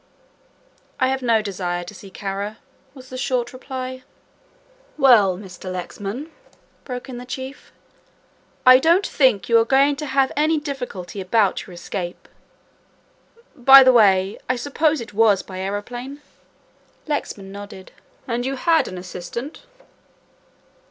"I have no desire to see Kara," was the short reply. "Well, Mr. Lexman," broke in the Chief, "I don't think you are going to have any difficulty about your escape. By the way, I suppose it was by aeroplane?" Lexman nodded. "And you had an assistant?"